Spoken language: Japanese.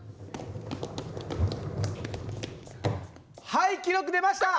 はい記録出ました！